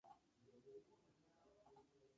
La Pila Bautismal es de factura Románica.